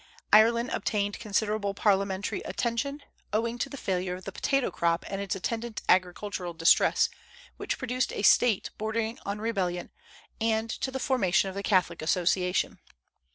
Ireland obtained considerable parliamentary attention, owing to the failure of the potato crop and its attendant agricultural distress, which produced a state bordering on rebellion, and to the formation of the Catholic Association.